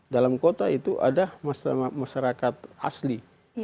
dalam kota itu ada masyarakat asli